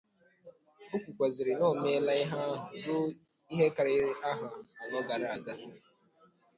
O kwukwazịrị na o meela ihe ahụ ruo ihe karịrị ahọ anọ gara aga.